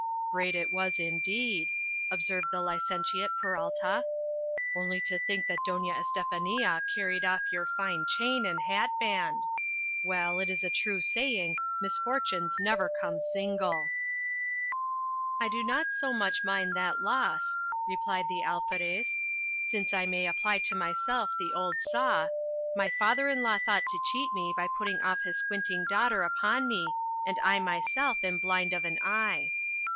"Great it was, indeed," observed the licentiate Peralta; "only to think that Doña Estefania carried off your fine chain and hat band! Well, it is a true saying, 'Misfortunes never come single.'" I do not so much mind that loss, replied the Alferez, since I may apply to myself the old saw, "My father in law thought to cheat me by putting off his squinting daughter upon me; and I myself am blind of an eye."